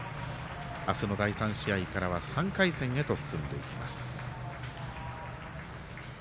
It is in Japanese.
明日の第３試合からは３回戦へと進んでいきます。